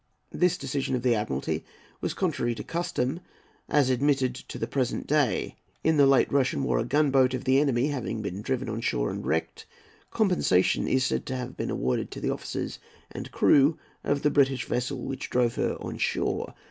This decision of the Admiralty was contrary to custom, as admitted to the present day. In the late Russian war a gunboat of the enemy having been driven on shore and wrecked, compensation is said to have been awarded to the officers and crew of the British vessel which drove her on shore.